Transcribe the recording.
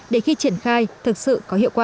để khi triển khai thực sự có hiệu quả